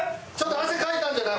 汗かいたんじゃない？